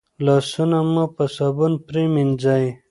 لاسونه مو په صابون پریمنځئ.